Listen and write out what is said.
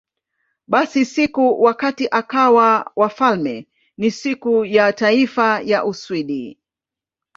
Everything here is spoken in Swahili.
Basi, siku wakati akawa wafalme ni Siku ya Taifa ya Uswidi.